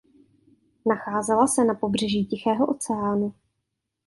Nacházela se na pobřeží Tichého oceánu.